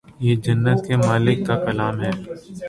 یہ جنت کے مالک کا کلام ہے